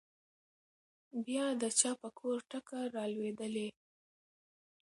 بيا د چا په کور ټکه رالوېدلې؟